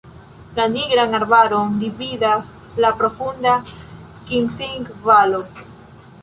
La Nigran arbaron dividas la profunda Kinzig-valo.